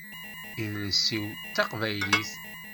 Idles-iw d taqbaylit.